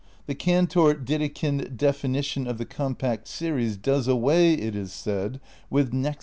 The Cantor Dedekind definition of the compact series does away, it is said, with nextness.